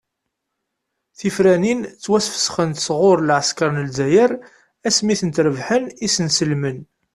Tifranin ttwasfesxent sɣur lɛeskaṛ n lezzayer ass mi i tent-rebḥen isenselmen.